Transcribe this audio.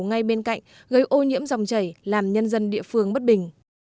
ngay bên cạnh gây ô nhiễm dòng chảy làm nhân dân địa phương bất bình